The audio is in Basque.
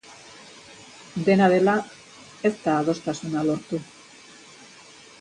Dena dela, ez da adostasuna lortu.